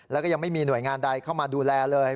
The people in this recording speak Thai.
แล้วก็ยังไม่มีหน่วยงานใดเข้ามาดูแลเลย